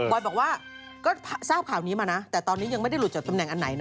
บอกว่าก็ทราบข่าวนี้มานะแต่ตอนนี้ยังไม่ได้หลุดจากตำแหน่งอันไหนนะ